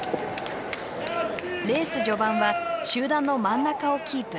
レース序盤は集団の真ん中をキープ。